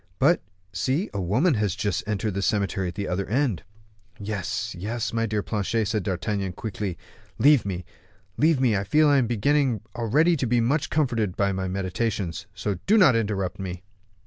But, see, a woman has just entered the cemetery at the other end." "Yes, yes, my dear Planchet," said D'Artagnan, quickly, "leave me, leave me; I feel I am beginning already to be much comforted by my meditations, so do not interrupt me."